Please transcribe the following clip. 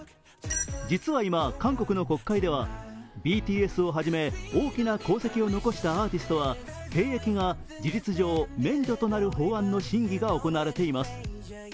実は今韓国の国会ではＢＴＳをはじめ大きな功績を残したアーティストが兵役が事実上免除となる法案の審議が行われています。